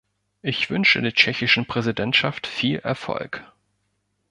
Ich wünsche der tschechischen Präsidentschaft viel Erfolg.